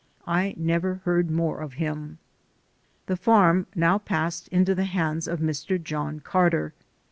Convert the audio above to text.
I never heard more of him. The farm now passed into the hands of Mr. John Carter.